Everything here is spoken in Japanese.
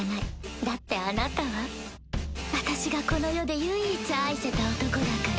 だってあなたは私がこの世で唯一愛せた男だから。